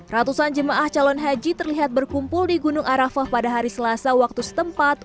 ratusan jemaah calon haji terlihat berkumpul di gunung arafah pada hari selasa waktu setempat